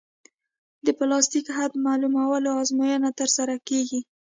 د پلاستیک حد معلومولو ازموینه ترسره کیږي